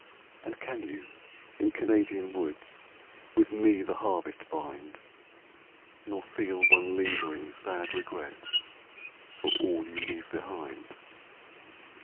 And can you in Canadian woods With me the harvest bind, Nor feel one lingering, sad regret For all you leave behind?